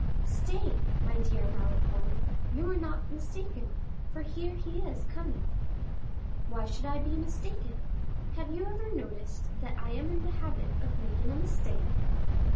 "Stay, my dear Malicorne, you were not mistaken, for here he is coming." "Why should I be mistaken? Have you ever noticed that I am in the habit of making a mistake?